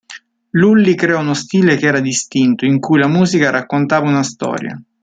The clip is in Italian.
Lully creò uno stile che era distinto, in cui la musica raccontava una storia.